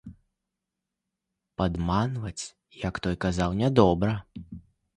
Падманваць, як той казаў, нядобра.